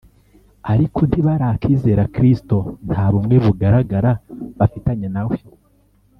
Ariko ntibarakizera Kristo; nta bumwe bugaragara bafitanye na We